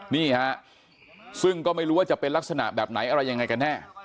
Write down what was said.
นี่ฮะซึ่งก็ไม่รู้ว่าจะเป็นลักษณะแบบไหนอะไรยังไงกันแน่